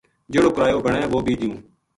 جیہڑو کرایو بنے وہ بے دیوؤں